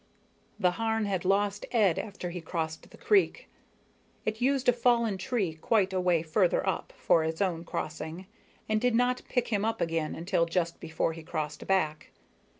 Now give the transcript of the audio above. _The Harn had lost Ed after he crossed the creek it used a fallen tree quite a way further up for its own crossing and did not pick him up again until just before he crossed back.